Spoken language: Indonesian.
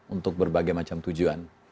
untuk berbagai macam tujuan